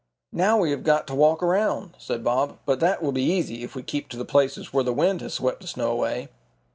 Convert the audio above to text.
"Now we have got to walk around," said Bob. "But that will be easy, if we keep to the places where the wind has swept the snow away."